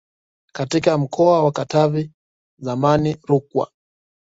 katika mkoa wa Katavi zamani Rukwa